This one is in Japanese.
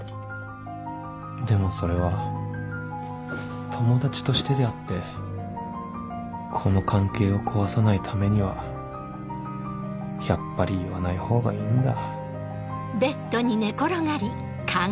でもそれは友達としてであってこの関係を壊さないためにはやっぱり言わない方がいいんだ